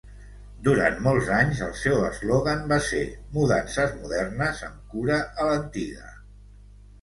Durant molts anys, el seu eslògan va ser "Mudances modernes amb cura a l'antiga".